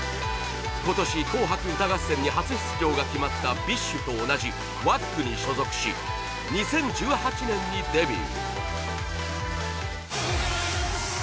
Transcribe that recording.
今年『紅白歌合戦』に初出場が決まったＢｉＳＨと同じＷＡＣＫに所属し２０１８年にデビュー。